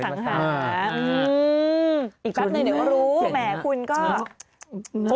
อีกปั๊บหน่อยเดี๋ยวก็รู้แหมคุณก็